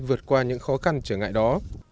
vượt qua những khó khăn trở ngại đó